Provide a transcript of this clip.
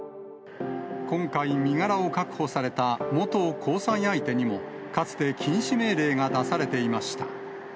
今回、身柄を確保された元交際相手にも、かつて禁止命令が出されていました。